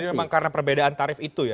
jadi memang karena perbedaan tarif itu ya